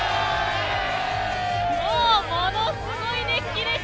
もうものすごい熱気です